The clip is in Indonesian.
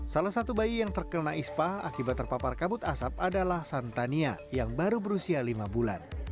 salah satu bayi yang terkena ispa akibat terpapar kabut asap adalah santania yang baru berusia lima bulan